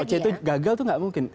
oke oke itu gagal itu nggak mungkin